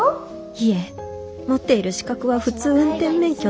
いえ持っている資格は普通運転免許のみ。